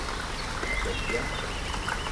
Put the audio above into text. Qu'elle vienne !